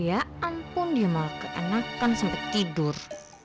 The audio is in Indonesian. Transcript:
ya ampun dia mau keenakan sampai tidur